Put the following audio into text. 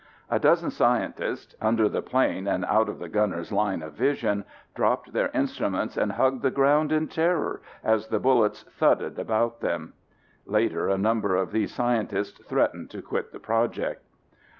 "A dozen scientists,... under the plane and out of the gunner's line of vision, dropped their instruments and hugged the ground in terror as the bullets thudded about them." Later a number of these scientists threatened to quit the project.